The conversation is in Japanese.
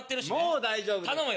もう大丈夫です。